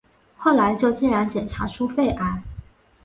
后来就竟然检查出肺癌